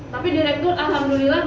tapi direktur alhamdulillah